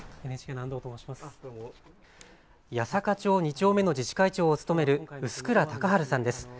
弥栄町２丁目の自治会長を務める臼倉誉治さんです。